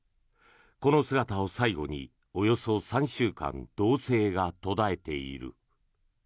この姿を最後におよそ３週間動静が途絶えている。